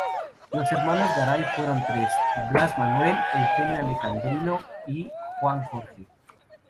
Los Garay fueron tres hermanos: Blas Manuel, Eugenio Alejandrino y Juan Jorge.